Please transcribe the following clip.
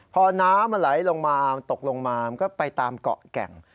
พอน้ำมันไหลลงมาตกลงมามันก็ไปตามเกาะแก่ง